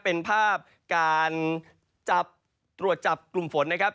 เป็นภาพการจับตรวจจับกลุ่มฝนนะครับ